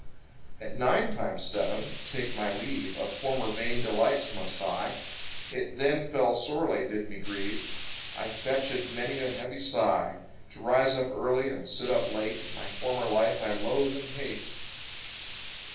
At nine times seven take my leave Of former vain delights must I; It then full sorely did me grieve— I fetchèd many a heavy sigh; To rise up early, and sit up late, My former life, I loathe and hate.